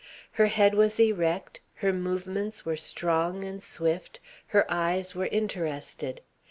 Her head was erect, her movements were strong and swift, her eyes were interested.